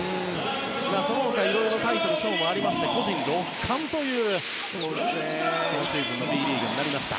その他、いろいろなタイトルもありまして個人６冠という、今シーズンのＢリーグになりました。